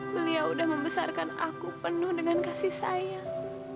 beliau sudah membesarkan aku penuh dengan kasih sayang